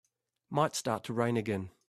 Might start to rain again.